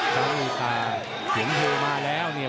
แล้วอีกตาเหยินเทมาแล้วเนี่ย